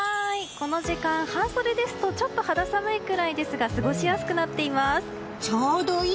この時間、半袖ですとちょっと肌寒いくらいですが過ごしやすくなっています。